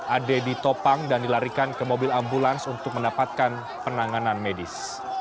ade ditopang dan dilarikan ke mobil ambulans untuk mendapatkan penanganan medis